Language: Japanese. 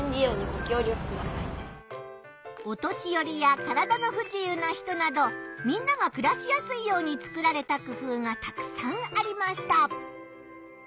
お年よりや体の不自由な人などみんながくらしやすいように作られた工ふうがたくさんありました。